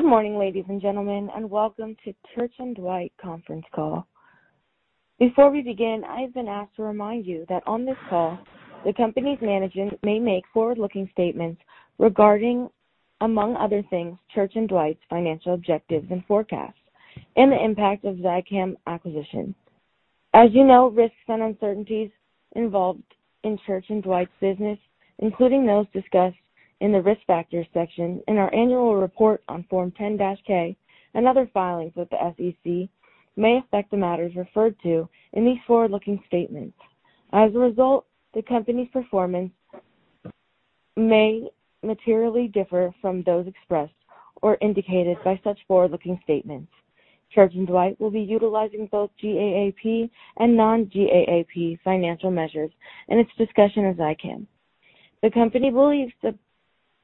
Good morning, ladies and gentlemen, and welcome to Church & Dwight conference call. Before we begin, I've been asked to remind you that on this call, the company's management may make forward-looking statements regarding, among other things, Church & Dwight's financial objectives and forecasts, and the impact of Zicam acquisition. As you know, risks and uncertainties involved in Church & Dwight's business, including those discussed in the risk factors section in our annual report on Form 10-K and other filings with the SEC, may affect the matters referred to in these forward-looking statements. As a result, the company's performance may materially differ from those expressed or indicated by such forward-looking statements. Church & Dwight will be utilizing both GAAP and non-GAAP financial measures in its discussion of Zicam. The company believes the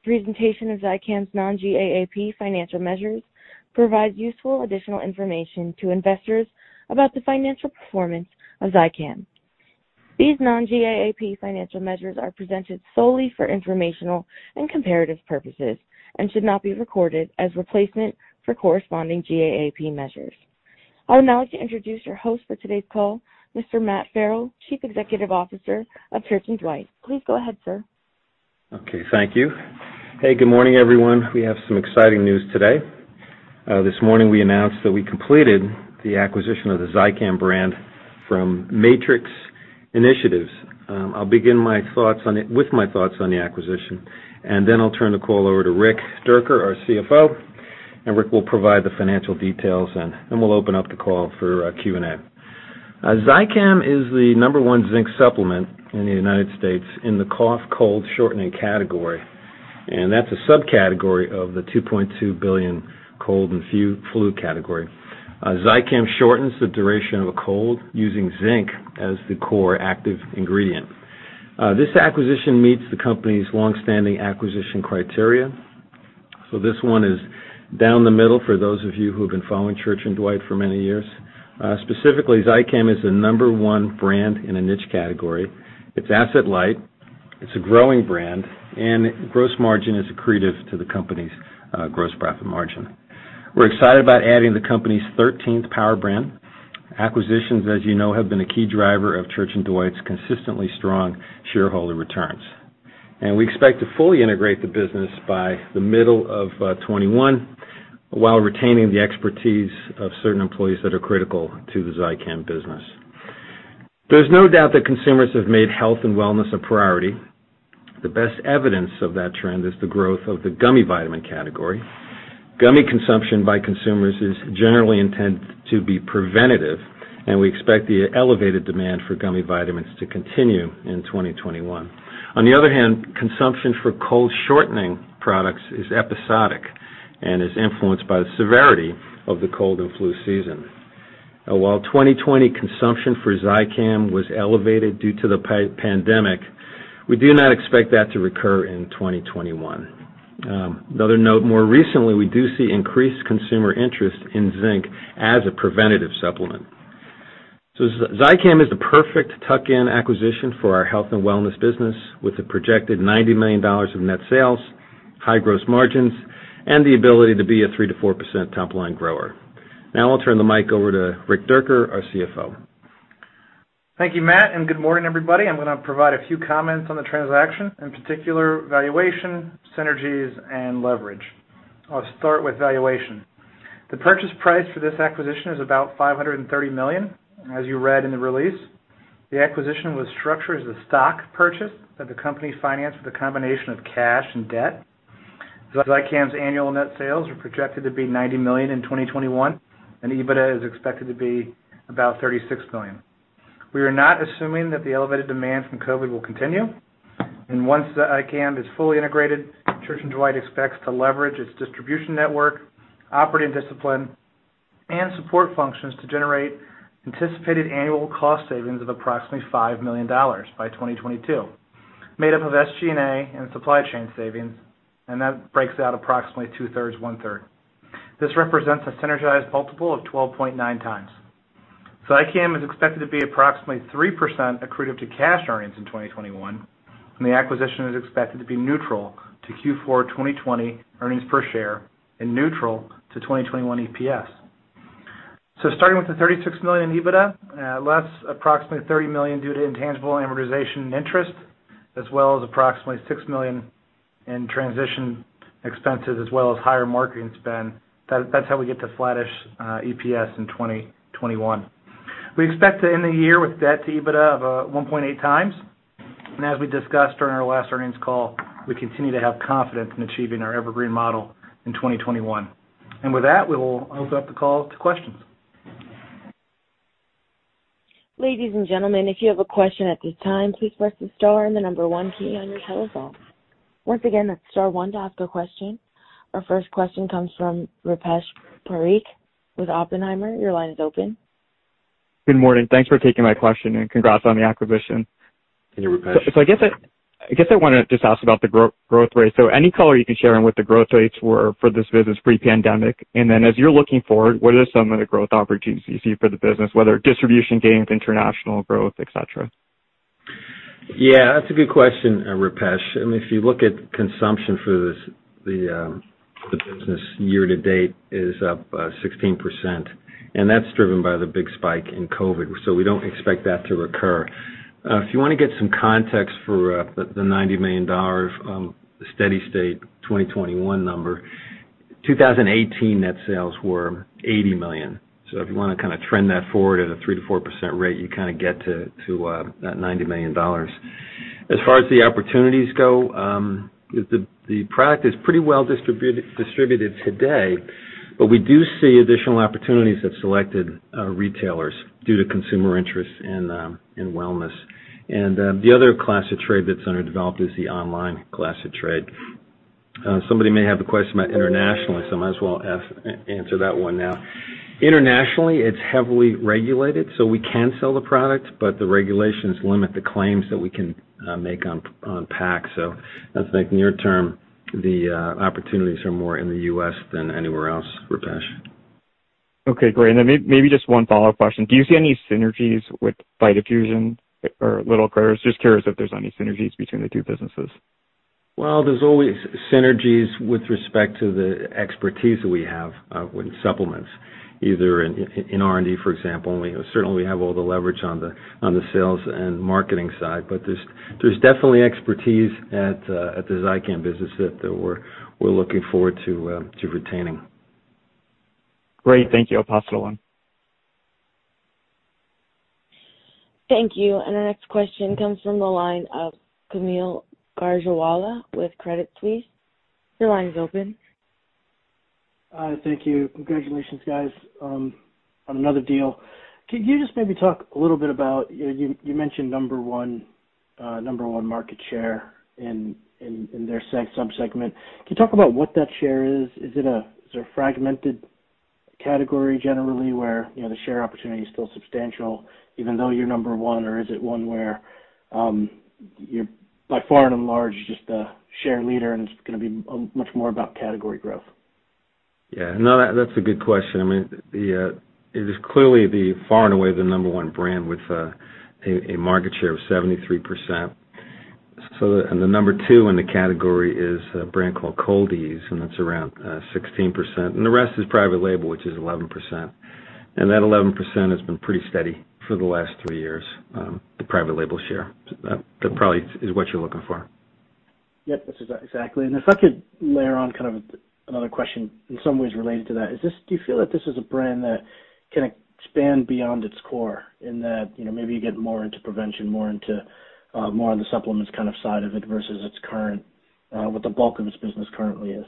presentation of Zicam's non-GAAP financial measures provides useful additional information to investors about the financial performance of Zicam. These non-GAAP financial measures are presented solely for informational and comparative purposes and should not be recorded as a replacement for corresponding GAAP measures. I would now like to introduce your host for today's call, Mr. Matt Farrell, Chief Executive Officer of Church & Dwight. Please go ahead, sir. Okay. Thank you. Hey, good morning, everyone. We have some exciting news today. This morning, we announced that we completed the acquisition of the Zicam brand from Matrixx Initiatives. I'll begin with my thoughts on the acquisition, and then I'll turn the call over to Rick Dierker, our CFO, and Rick will provide the financial details, and then we'll open up the call for Q&A. Zicam is the number one zinc supplement in the United States in the cough cold shortening category, and that's a subcategory of the $2.2 billion cold and flu category. Zicam shortens the duration of a cold using zinc as the core active ingredient. This acquisition meets the company's longstanding acquisition criteria. This one is down the middle for those of you who have been following Church & Dwight for many years. Specifically, Zicam is the number one brand in a niche category. It's asset-light. It's a growing brand, and gross margin is accretive to the company's gross profit margin. We're excited about adding the company's 13th power brand. Acquisitions, as you know, have been a key driver of Church & Dwight's consistently strong shareholder returns, and we expect to fully integrate the business by the middle of 2021 while retaining the expertise of certain employees that are critical to the Zicam business. There's no doubt that consumers have made health and wellness a priority. The best evidence of that trend is the growth of the gummy vitamin category. Gummy consumption by consumers is generally intended to be preventative, and we expect the elevated demand for gummy vitamins to continue in 2021. On the other hand, consumption for cold shortening products is episodic and is influenced by the severity of the cold and flu season. While 2020 consumption for Zicam was elevated due to the pandemic, we do not expect that to recur in 2021. Another note, more recently, we do see increased consumer interest in zinc as a preventative supplement. Zicam is the perfect tuck-in acquisition for our health and wellness business with a projected $90 million of net sales, high gross margins, and the ability to be a 3-4% top-line grower. Now I'll turn the mic over to Rick Dierker, our CFO. Thank you, Matt, and good morning, everybody. I'm going to provide a few comments on the transaction, in particular valuation, synergies, and leverage. I'll start with valuation. The purchase price for this acquisition is about $530 million, as you read in the release. The acquisition was structured as a stock purchase that the company financed with a combination of cash and debt. Zicam's annual net sales are projected to be $90 million in 2021, and EBITDA is expected to be about $36 million. We are not assuming that the elevated demand from COVID will continue, and once Zicam is fully integrated, Church & Dwight expects to leverage its distribution network, operating discipline, and support functions to generate anticipated annual cost savings of approximately $5 million by 2022, made up of SG&A and supply chain savings, and that breaks out approximately two-thirds, one-third. This represents a synergized multiple of 12.9x. Zicam is expected to be approximately 3% accretive to cash earnings in 2021, and the acquisition is expected to be neutral to Q4 2020 earnings per share and neutral to 2021 EPS. Starting with the $36 million EBITDA, less approximately $30 million due to intangible amortization and interest, as well as approximately $6 million in transition expenses, as well as higher marketing spend. That is how we get to flattish EPS in 2021. We expect to end the year with debt to EBITDA of 1.8x, and as we discussed during our last earnings call, we continue to have confidence in achieving our evergreen model in 2021. With that, we will open up the call to questions. Ladies and gentlemen, if you have a question at this time, please press the star and the number one key on your telephone. Once again, that's star one to ask a question. Our first question comes from Rupesh Parikh with Oppenheimer. Your line is open. Good morning. Thanks for taking my question and congrats on the acquisition. Thank you, Rupesh. I guess I want to just ask about the growth rate. Any color you can share on what the growth rates were for this business pre-pandemic? As you're looking forward, what are some of the growth opportunities you see for the business, whether distribution gains, international growth, etc.? Yeah, that's a good question, Rupesh. If you look at consumption for the business year to date, it is up 16%, and that's driven by the big spike in COVID, so we don't expect that to recur. If you want to get some context for the $90 million steady state 2021 number, 2018 net sales were $80 million. If you want to kind of trend that forward at a 3%-4% rate, you kind of get to that $90 million. As far as the opportunities go, the product is pretty well distributed today, but we do see additional opportunities at selected retailers due to consumer interest in wellness. The other class of trade that's underdeveloped is the online class of trade. Somebody may have a question about international, so I might as well answer that one now. Internationally, it's heavily regulated, so we can sell the product, but the regulations limit the claims that we can make on PACs. I think near-term, the opportunities are more in the U.S. than anywhere else, Rupesh. Okay, great. Maybe just one follow-up question. Do you see any synergies with vitafusion or L'il Critters? Just curious if there's any synergies between the two businesses. There is always synergies with respect to the expertise that we have with supplements, either in R&D, for example. Certainly, we have all the leverage on the sales and marketing side, but there is definitely expertise at the Zicam business that we are looking forward to retaining. Great. Thank you. I'll pass it along. Thank you. Our next question comes from the line of Kaumil Gajrawala with Credit Suisse. Your line is open. Thank you. Congratulations, guys, on another deal. Can you just maybe talk a little bit about, you mentioned number one market share in their subsegment. Can you talk about what that share is? Is it a fragmented category generally where the share opportunity is still substantial even though you're number one, or is it one where you're by far and large just the share leader and it's going to be much more about category growth? Yeah. No, that's a good question. I mean, it is clearly far and away the number one brand with a market share of 73%. The number two in the category is a brand called Cold-EEZE, and that's around 16%. The rest is private label, which is 11%. That 11% has been pretty steady for the last three years, the private label share. That probably is what you're looking for. Yep, that's exactly. If I could layer on kind of another question in some ways related to that, do you feel that this is a brand that can expand beyond its core in that maybe you get more into prevention, more into the supplements kind of side of it versus what the bulk of its business currently is?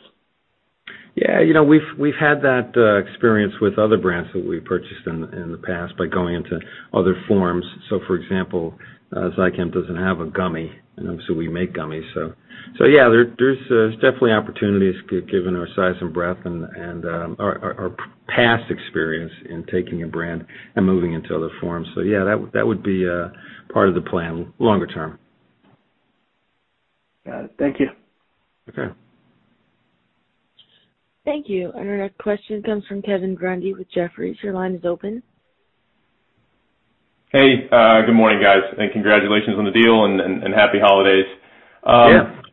Yeah. We've had that experience with other brands that we've purchased in the past by going into other forms. For example, Zicam doesn't have a gummy, and obviously we make gummies. Yeah, there's definitely opportunities given our size and breadth and our past experience in taking a brand and moving into other forms. Yeah, that would be part of the plan longer term. Got it. Thank you. Okay. Thank you. Our next question comes from Kevin Grundy with Jefferies. Your line is open. Hey, good morning, guys. Congratulations on the deal and happy holidays. Yeah.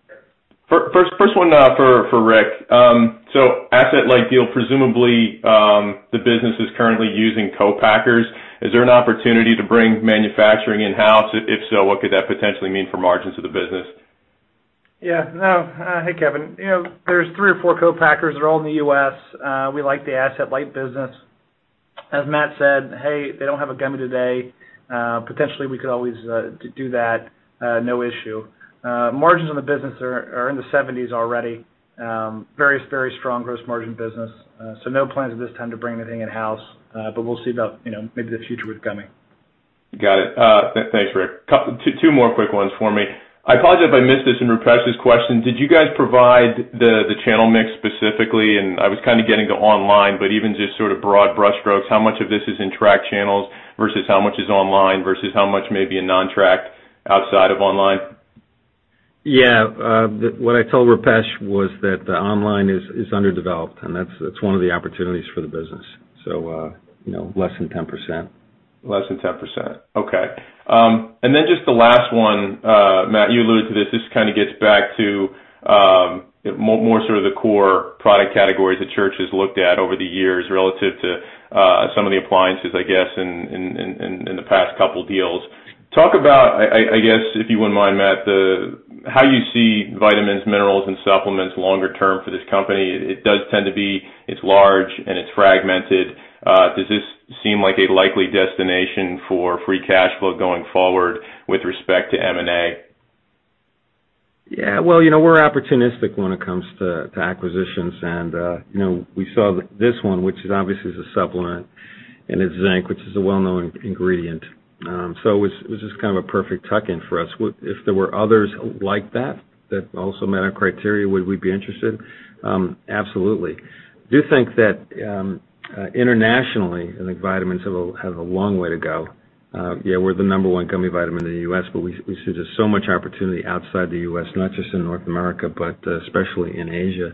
First one for Rick. Asset-like deal, presumably the business is currently using co-packers. Is there an opportunity to bring manufacturing in-house? If so, what could that potentially mean for margins of the business? Yeah. No. Hey, Kevin. There are three or four co-packers. They are all in the U.S. We like the asset-light business. As Matt said, hey, they do not have a gummy today. Potentially, we could always do that. No issue. Margins in the business are in the 70% already. Very, very strong gross margin business. No plans at this time to bring anything in-house, but we will see about maybe the future with gummy. Got it. Thanks, Rick. Two more quick ones for me. I apologize if I missed this in Rupesh's question. Did you guys provide the channel mix specifically? I was kind of getting to online, but even just sort of broad brush strokes, how much of this is in track channels versus how much is online versus how much may be in non-track outside of online? Yeah. What I told Rupesh was that the online is underdeveloped, and that's one of the opportunities for the business. So less than 10%. Less than 10%. Okay. And then just the last one, Matt, you alluded to this. This kind of gets back to more sort of the core product categories that Church has looked at over the years relative to some of the appliances, I guess, in the past couple of deals. Talk about, I guess, if you wouldn't mind, Matt, how you see vitamins, minerals, and supplements longer term for this company. It does tend to be it's large and it's fragmented. Does this seem like a likely destination for free cash flow going forward with respect to M&A? Yeah. We're opportunistic when it comes to acquisitions, and we saw this one, which obviously is a supplement, and it's zinc, which is a well-known ingredient. It was just kind of a perfect tuck-in for us. If there were others like that that also met our criteria, would we be interested? Absolutely. I do think that internationally, I think vitamins have a long way to go. Yeah, we're the number one gummy vitamin in the U.S., but we see just so much opportunity outside the U.S., not just in North America, but especially in Asia.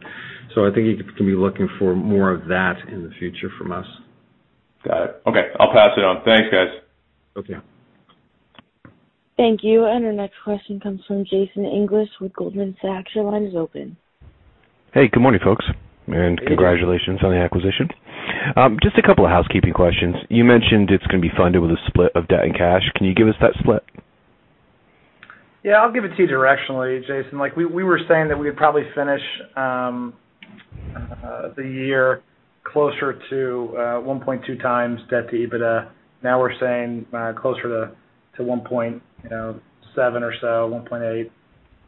I think you can be looking for more of that in the future from us. Got it. Okay. I'll pass it on. Thanks, guys. Okay. Thank you. Our next question comes from Jason English with Goldman Sachs. Your line is open. Hey, good morning, folks, and congratulations on the acquisition. Just a couple of housekeeping questions. You mentioned it's going to be funded with a split of debt and cash. Can you give us that split? Yeah. I'll give it to you directionally, Jason. We were saying that we would probably finish the year closer to 1.2x debt to EBITDA. Now we're saying closer to 1.7 or so,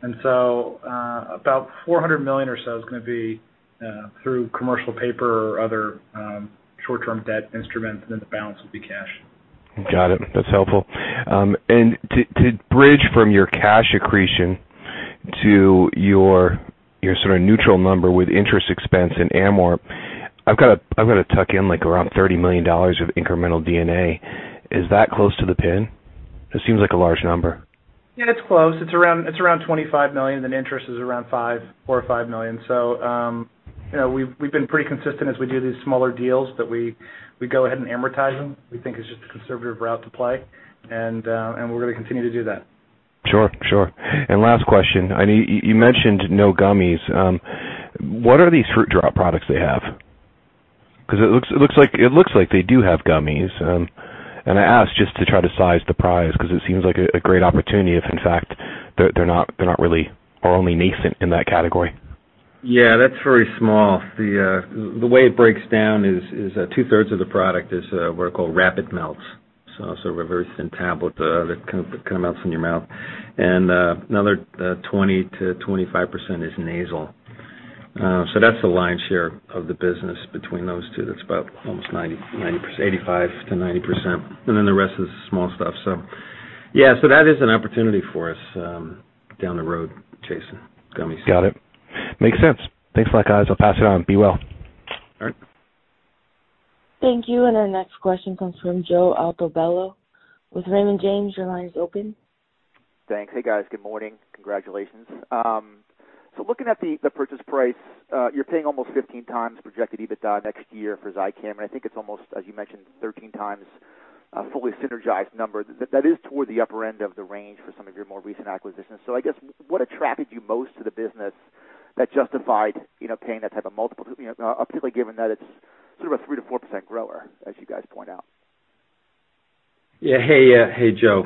1.8. About $400 million or so is going to be through commercial paper or other short-term debt instruments, and then the balance will be cash. Got it. That's helpful. To bridge from your cash accretion to your sort of neutral number with interest expense and amortization, I've got to tuck in like around $30 million of incremental D&A. Is that close to the pin? It seems like a large number. Yeah, it's close. It's around $25 million, and then interest is around $4 million-$5 million. We've been pretty consistent as we do these smaller deals that we go ahead and amortize them. We think it's just a conservative route to play, and we're going to continue to do that. Sure. Sure. Last question. You mentioned no gummies. What are these fruit drop products they have? Because it looks like they do have gummies. I ask just to try to size the prize because it seems like a great opportunity if, in fact, they're not really or only nascent in that category. Yeah. That's very small. The way it breaks down is two-thirds of the product is what are called rapid melts. So sort of a very thin tablet that kind of melts in your mouth. And another 20%-25% is nasal. That's the lion's share of the business between those two. That's about almost 85%-90%. Then the rest is small stuff. Yeah, that is an opportunity for us down the road, Jason, gummies. Got it. Makes sense. Thanks a lot, guys. I'll pass it on. Be well. All right. Thank you. Our next question comes from Joe Altobello with Raymond James. Your line is open. Thanks. Hey, guys. Good morning. Congratulations. Looking at the purchase price, you're paying almost 15x projected EBITDA next year for Zicam. I think it's almost, as you mentioned, 13x a fully synergized number. That is toward the upper end of the range for some of your more recent acquisitions. I guess, what attracted you most to the business that justified paying that type of multiple, particularly given that it's sort of a 3%-4% grower, as you guys point out? Yeah. Hey, Joe.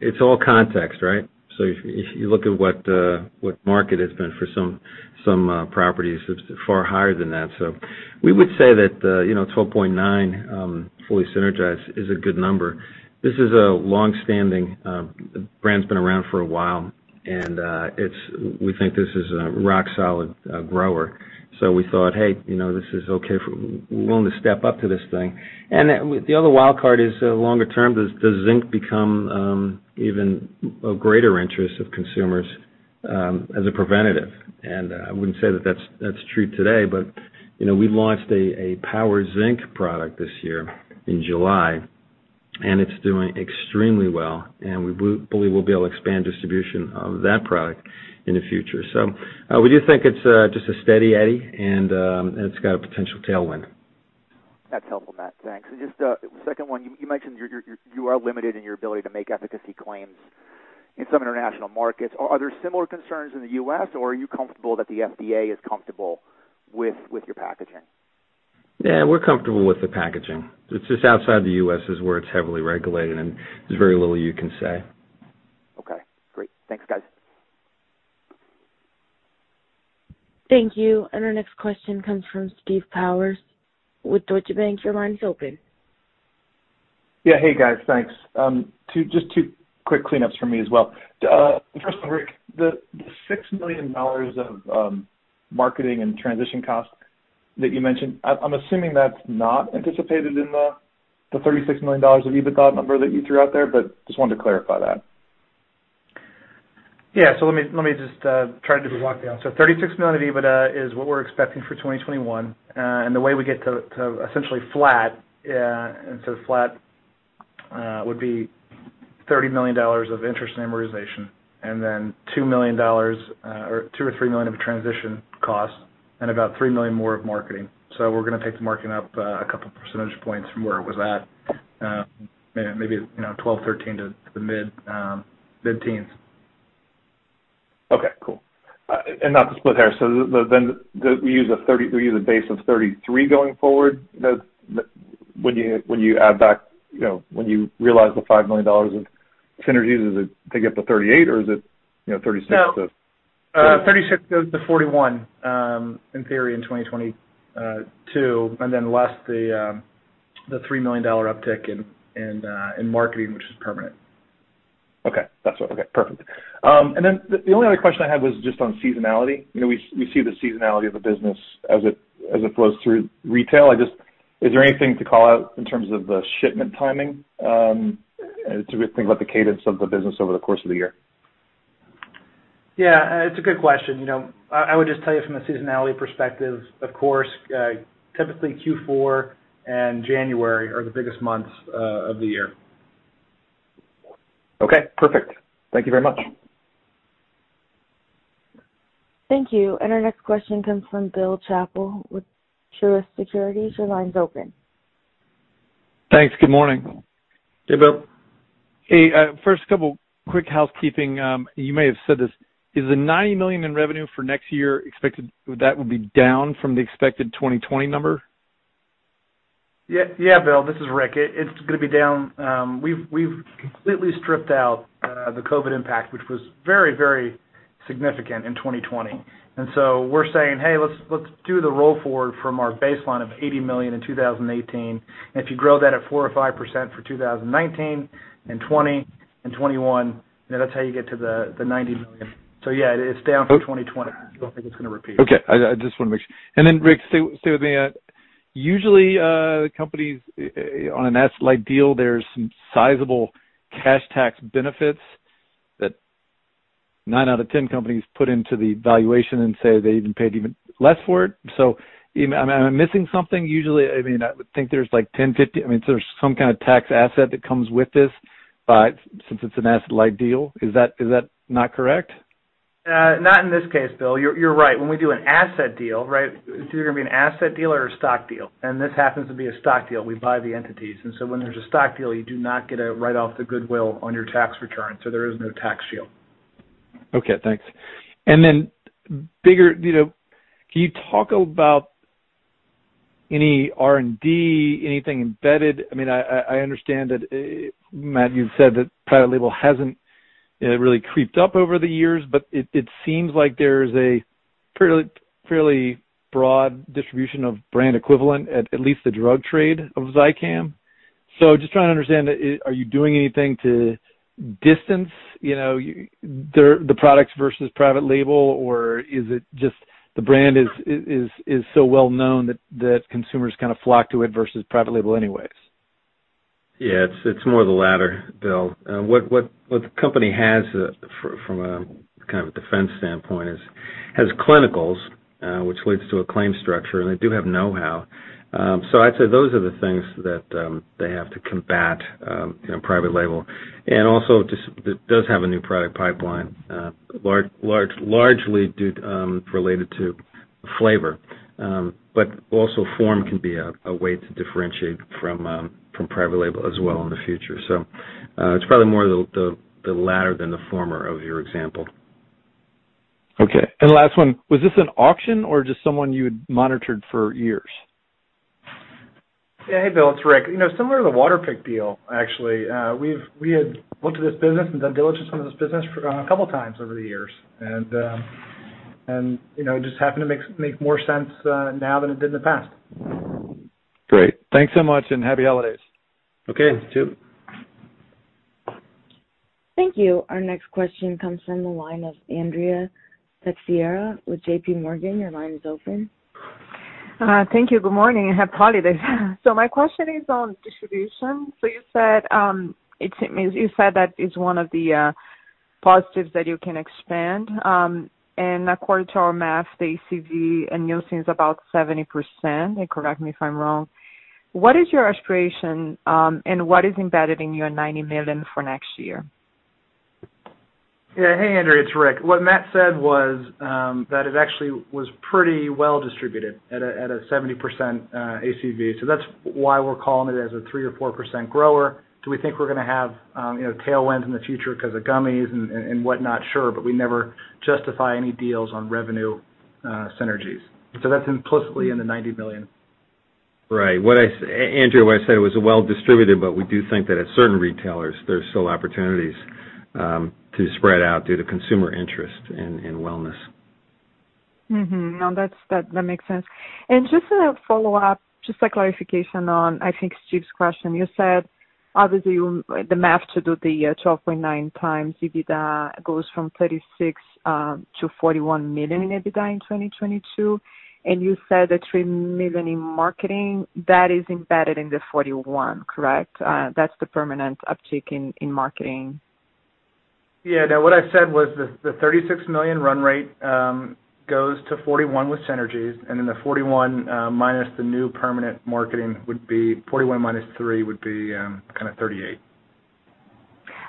It's all context, right? If you look at what market has been for some properties, it's far higher than that. We would say that $12.9 million fully synergized is a good number. This is a long-standing brand that's been around for a while, and we think this is a rock-solid grower. We thought, "Hey, this is okay. We're willing to step up to this thing." The other wildcard is longer term. Does zinc become even a greater interest of consumers as a preventative? I wouldn't say that that's true today, but we launched a Power Zinc product this year in July, and it's doing extremely well. We believe we'll be able to expand distribution of that product in the future. We do think it's just a steady eddy, and it's got a potential tailwind. That's helpful, Matt. Thanks. Just a second one. You mentioned you are limited in your ability to make efficacy claims in some international markets. Are there similar concerns in the U.S., or are you comfortable that the FDA is comfortable with your packaging? Yeah. We're comfortable with the packaging. It's just outside the U.S. is where it's heavily regulated, and there's very little you can say. Okay. Great. Thanks, guys. Thank you. Our next question comes from Steve Powers with Deutsche Bank. Your line is open. Yeah. Hey, guys. Thanks. Just two quick cleanups from me as well. First one, Rick, the $6 million of marketing and transition costs that you mentioned, I'm assuming that's not anticipated in the $36 million of EBITDA number that you threw out there, but just wanted to clarify that. Yeah. Let me just try to do a walk-through. $36 million of EBITDA is what we're expecting for 2021. The way we get to essentially flat, instead of flat, would be $30 million of interest and amortization, and then $2 million or 2 million or 3 million of a transition cost, and about $3 million more of marketing. We're going to take the marketing up a couple of percentage points from where it was at, maybe 12%-13% to the mid-teens. Okay. Cool. Not to split hairs, so then we use a base of 33 going forward. When you add back, when you realize the $5 million of synergies, is it to get to 38, or is it 36 too? No. 36-41 in theory in 2022, and then less the $3 million uptick in marketing, which is permanent. Okay. That's what. Okay. Perfect. The only other question I had was just on seasonality. We see the seasonality of the business as it flows through retail. Is there anything to call out in terms of the shipment timing? It's a good thing about the cadence of the business over the course of the year. Yeah. It's a good question. I would just tell you from a seasonality perspective, of course, typically Q4 and January are the biggest months of the year. Okay. Perfect. Thank you very much. Thank you. Our next question comes from Bill Chappell with Truist Securities. Your line's open. Thanks. Good morning. Hey, Bill. Hey. First couple of quick housekeeping. You may have said this. Is the $90 million in revenue for next year expected, that would be down from the expected 2020 number? Yeah, Bill. This is Rick. It's going to be down. We've completely stripped out the COVID impact, which was very, very significant in 2020. We are saying, "Hey, let's do the roll forward from our baseline of $80 million in 2018. If you grow that at 4% or 5% for 2019 and 2020 and 2021, that's how you get to the $90 million." Yeah, it's down from 2020. I don't think it's going to repeat. Okay. I just want to make sure. And then, Rick, stay with me. Usually, companies on an asset-like deal, there's some sizable cash tax benefits that nine out of 10 companies put into the valuation and say they even paid even less for it. Am I missing something? Usually, I mean, I would think there's like $1,050. I mean, so there's some kind of tax asset that comes with this since it's an asset-like deal. Is that not correct? Not in this case, Bill. You're right. When we do an asset deal, right, it's either going to be an asset deal or a stock deal. This happens to be a stock deal. We buy the entities. When there's a stock deal, you do not get a write-off of the goodwill on your tax return. There is no tax shield. Okay. Thanks. Then, bigger, can you talk about any R&D, anything embedded? I mean, I understand that, Matt, you've said that private label hasn't really creeped up over the years, but it seems like there's a fairly broad distribution of brand equivalent at least the drug trade of Zicam. Just trying to understand, are you doing anything to distance the products versus private label, or is it just the brand is so well-known that consumers kind of flock to it versus private label anyways? Yeah. It's more of the latter, Bill. What the company has from a kind of a defense standpoint is has clinicals, which leads to a claim structure, and they do have know-how. I'd say those are the things that they have to combat private label. It does have a new product pipeline, largely related to flavor, but also form can be a way to differentiate from private label as well in the future. It's probably more the latter than the former of your example. Okay. Last one. Was this an auction or just someone you had monitored for years? Yeah. Hey, Bill. It's Rick. Similar to the Waterpik deal, actually, we had looked at this business and done diligence on this business a couple of times over the years. It just happened to make more sense now than it did in the past. Great. Thanks so much, and happy holidays. Okay. You too. Thank you. Our next question comes from the line of Andrea Teixeira with JPMorgan. Your line is open. Thank you. Good morning. I have holidays. My question is on distribution. You said that it's one of the positives that you can expand. According to our math, the ACV in use is about 70%. Correct me if I'm wrong. What is your aspiration, and what is embedded in your $90 million for next year? Yeah. Hey, Andrea. It's Rick. What Matt said was that it actually was pretty well distributed at a 70% ACV. That's why we're calling it as a 3% or 4% grower. Do we think we're going to have tailwinds in the future because of gummies and whatnot? Sure, but we never justify any deals on revenue synergies. That's implicitly in the $90 million. Right. Andrea, what I said was well distributed, but we do think that at certain retailers, there's still opportunities to spread out due to consumer interest and wellness. No, that makes sense. Just to follow up, just a clarification on, I think, Steve's question. You said, obviously, the math to do the 12.9x EBITDA goes from $36 million to $41 million in EBITDA in 2022. You said the $3 million in marketing, that is embedded in the $41 million, correct? That's the permanent uptick in marketing. Yeah. Now, what I said was the $36 million run rate goes to $41 million with synergies, and then the $41 million minus the new permanent marketing would be $41 million minus $3 million would be kind of $38 million.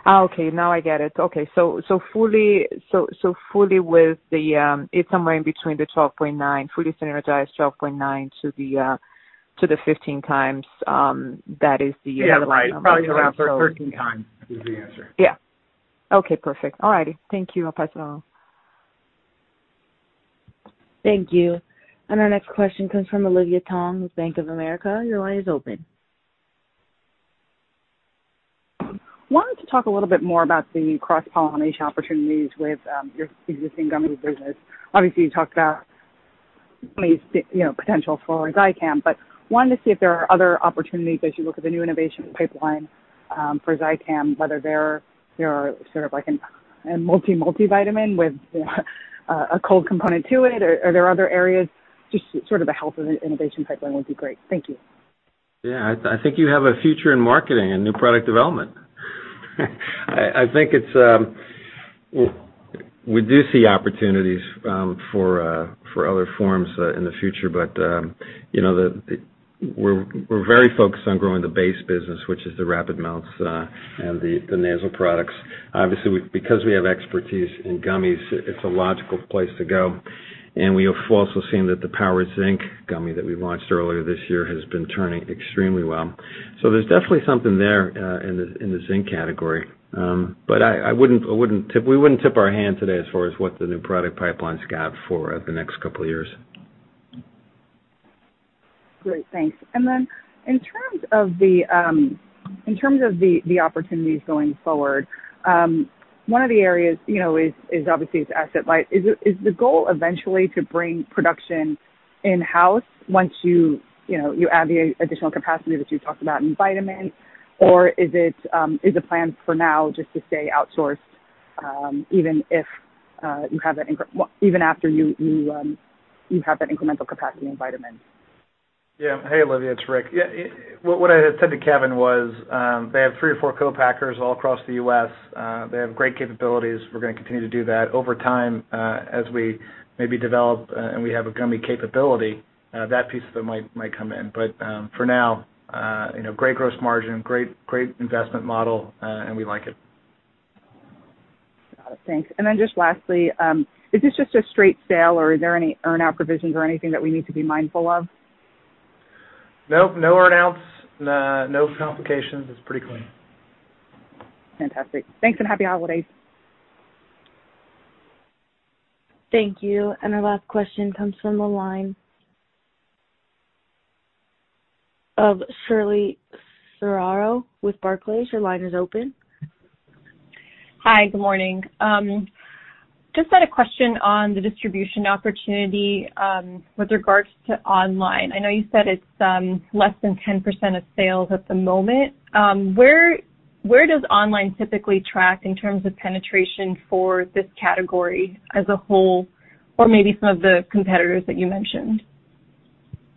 Okay. Now I get it. Okay. So fully with the it's somewhere in between the 12.9, fully synergized 12.9 to the 15x, that is the line number. Yeah. Probably around 13x is the answer. Yeah. Okay. Perfect. All righty. Thank you. I'll pass it on. Thank you. Our next question comes from Olivia Tong with Bank of America. Your line is open. I wanted to talk a little bit more about the cross-pollination opportunities with your existing gummy business. Obviously, you talked about gummies' potential for Zicam, but wanted to see if there are other opportunities as you look at the new innovation pipeline for Zicam, whether they're sort of like a multi-multivitamin with a cold component to it, or there are other areas. Just sort of the health of the innovation pipeline would be great. Thank you. Yeah. I think you have a future in marketing and new product development. I think we do see opportunities for other forms in the future, but we're very focused on growing the base business, which is the rapid melts and the nasal products. Obviously, because we have expertise in gummies, it's a logical place to go. We have also seen that the Power Zinc gummy that we launched earlier this year has been turning extremely well. There is definitely something there in the zinc category. We would not tip our hand today as far as what the new product pipeline's got for the next couple of years. Great. Thanks. In terms of the opportunities going forward, one of the areas is obviously this asset-like. Is the goal eventually to bring production in-house once you add the additional capacity that you talked about in vitamins? Or is the plan for now just to stay outsourced even after you have that incremental capacity in vitamins? Yeah. Hey, Olivia. It's Rick. What I had said to Kevin was they have three or four co-packers all across the U.S. They have great capabilities. We're going to continue to do that. Over time, as we maybe develop and we have a gummy capability, that piece of it might come in. For now, great gross margin, great investment model, and we like it. Got it. Thanks. Lastly, is this just a straight sale, or are there any earnout provisions or anything that we need to be mindful of? Nope. No earnouts. No complications. It's pretty clean. Fantastic. Thanks and happy holidays. Thank you. Our last question comes from the line of Shirley Serrao with Barclays. Your line is open. Hi. Good morning. Just had a question on the distribution opportunity with regards to online. I know you said it's less than 10% of sales at the moment. Where does online typically track in terms of penetration for this category as a whole, or maybe some of the competitors that you mentioned?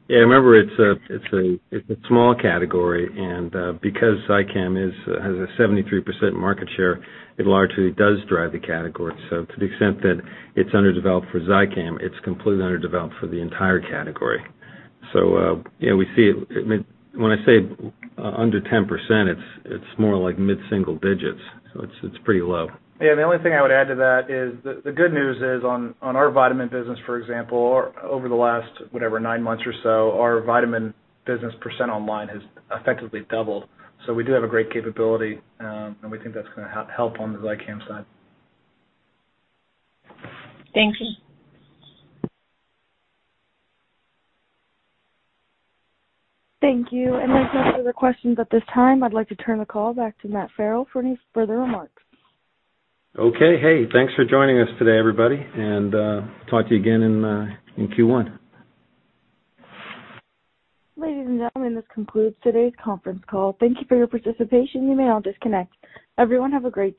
Yeah. Remember, it's a small category. And because Zicam has a 73% market share, it largely does drive the category. To the extent that it's underdeveloped for Zicam, it's completely underdeveloped for the entire category. We see it, when I say under 10%, it's more like mid-single digits. It's pretty low. Yeah. The only thing I would add to that is the good news is on our vitamin business, for example, over the last, whatever, nine months or so, our vitamin business percent online has effectively doubled. We do have a great capability, and we think that's going to help on the Zicam side. Thank you. Thank you. There are no further questions at this time. I would like to turn the call back to Matt Farrell for any further remarks. Okay. Hey, thanks for joining us today, everybody. Talk to you again in Q1. Ladies and gentlemen, this concludes today's conference call. Thank you for your participation. You may now disconnect. Everyone, have a great day.